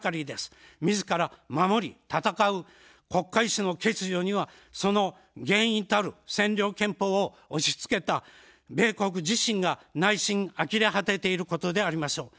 みずから守り戦う国家意志の欠如には、その原因たる占領憲法を押しつけた米国自身が内心あきれ果てていることでありましょう。